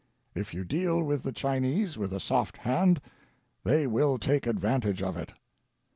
If you deal with the Chinese with a soft hand they will take advantage of it.'